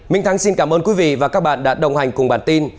minh thắng xin cảm ơn quý vị và các bạn đã đồng hành cùng bản tin